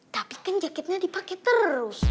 tapi kan jaketnya dipakai terus